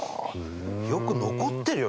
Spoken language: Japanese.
よく残ってるよね、まず。